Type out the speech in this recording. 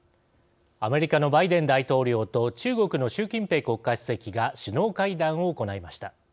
アメリカのバイデン大統領と中国の習近平国家主席が首脳会談を行いました。